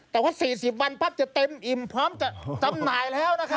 แต่ว่า๔๐วันปั๊บจะเต็มอิ่มพร้อมจะจำหน่ายแล้วนะครับ